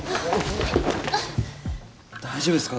大丈夫ですか？